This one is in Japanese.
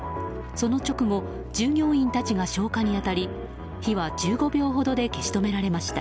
その直後従業員たちが消火に当たり火は１５秒ほどで消し止められました。